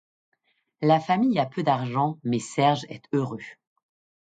La famille a peu d’argent mais Serge est heureux.